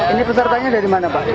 ini pesertanya dari mana pak